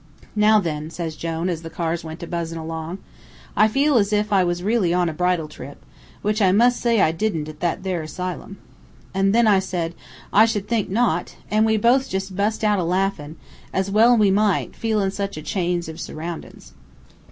"'Now then,' says Jone, as the cars went abuzzin' along, 'I feel as if I was really on a bridal trip, which I mus' say I didn't at that there asylum.' "An' then I said: 'I should think not,' an' we both bust out a laughin', as well we might, feelin' sich a change of surroundin's.